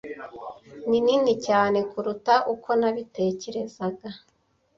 Ninini cyane kuruta uko nabitekerezaga.